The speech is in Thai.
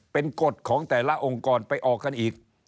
เป็นกฎของแต่ละองค์กรไปออกกันอีก